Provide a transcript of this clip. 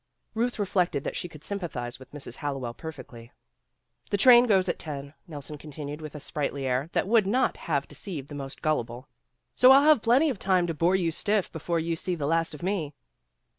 Ruth reflected that she could sympathize with Mrs. Hallowell perfectly. "The train goes at ten," Nelson continued with a sprightly air that would not have de ceived the most gullible, "so I'll have plenty of time to bore you stiff before you see the last of me."